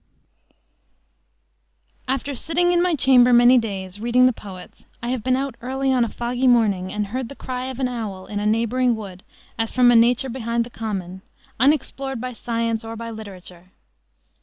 "After sitting in my chamber many days, reading the poets, I have been out early on a foggy morning and heard the cry of an owl in a neighboring wood as from a nature behind the common, unexplored by science or by literature.